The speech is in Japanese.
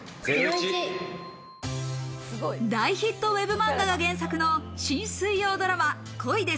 大ヒットＷＥＢ漫画が原作の新水曜ドラマ『恋です！